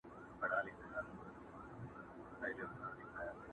څه ورېښمین شالونه لوټ کړل غدۍ ورو ورو٫